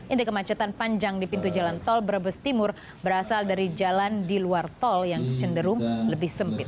inti kemacetan panjang di pintu jalan tol brebes timur berasal dari jalan di luar tol yang cenderung lebih sempit